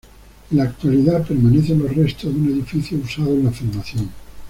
En la actualidad permanecen los restos de un edificio usado en la filmación.